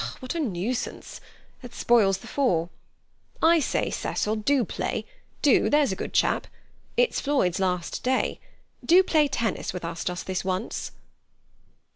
"What a nuisance! That spoils the four. I say, Cecil, do play, do, there's a good chap. It's Floyd's last day. Do play tennis with us, just this once."